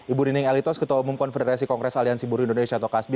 ibu nining elitos ketua umum konfederasi kongres aliansi buruh indonesia atau kasbi